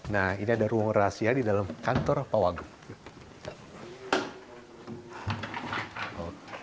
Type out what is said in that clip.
nah ini ada ruang rahasia di dalam kantor pawagung